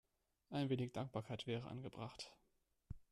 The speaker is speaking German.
Ein wenig Dankbarkeit wäre angebracht.